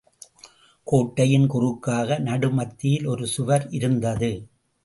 கோட்டையின் குறுக்காக நடுமத்தியில் ஒரு சுவர் இருந்தது.